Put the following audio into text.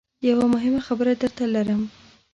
یوه مهمه خبره درته لرم .